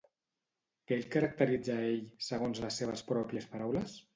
Què el caracteritza a ell, segons les seves pròpies paraules?